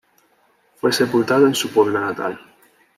Fue sepultado en su pueblo natal.